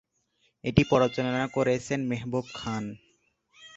এটি পরিচালনা করেছেন মেহবুব খান।